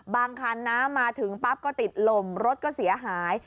บางคันน้ำมาถึงปั๊บก็ติดลมรถก็เสียหาย